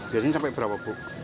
biasanya sampai berapa buk